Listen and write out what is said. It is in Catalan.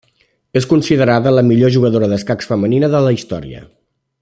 És considerada la millor jugadora d'escacs femenina de la història.